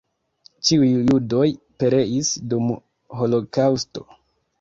Ĉiuj judoj pereis dum holokaŭsto.